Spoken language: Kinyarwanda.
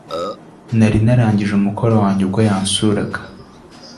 Nari narangije umukoro wanjye ubwo yansuraga